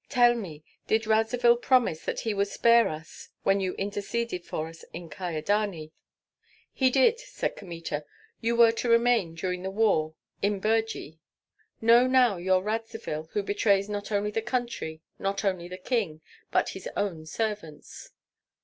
Tell me, did Radzivill promise that he would spare us when you interceded for us in Kyedani?" "He did," said Kmita. "You were to remain during the war in Birji." "Know now your Radzivill, who betrays not only the country, not only the king, but his own servants."